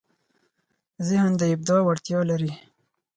ذهن د ابداع وړتیا لري.